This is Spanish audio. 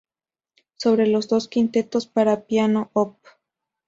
Sobre los dos quintetos para piano Op.